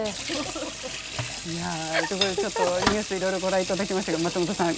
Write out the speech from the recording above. いやということでちょっとニュースいろいろご覧いただきましたけど松本さん